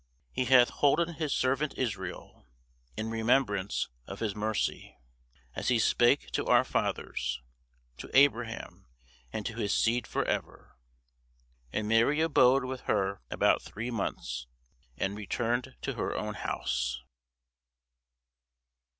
He hath holpen his servant Israel, In remembrance of his mercy; As he spake to our fathers, To Abraham, and to his seed for ever. And Mary abode with her about three months, and returned to her own house.